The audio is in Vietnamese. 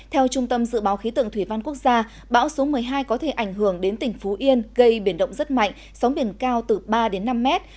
theo trung tâm dự báo khí tượng thủy văn quốc gia bão số một mươi hai có thể ảnh hưởng đến tỉnh phú yên gây biển động rất mạnh sóng biển cao từ ba đến năm mét